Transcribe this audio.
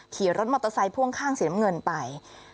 ขี่รถมอเตอร์ไซค์พ่วงข้างสีน้ำเงินไป